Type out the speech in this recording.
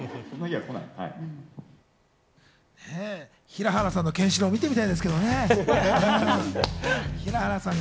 平原さんのケンシロウも見てみたいですけどね。